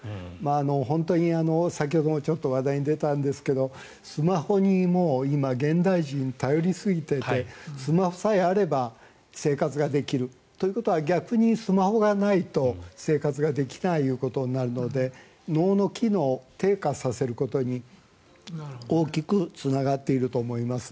本当に先ほどもちょっと話題に出たんですがスマホに今、現代人は頼りすぎていてスマホさえあれば生活ができる。ということは逆にスマホがないと生活ができないということになるので脳の機能を低下させることに大きくつながっていると思います。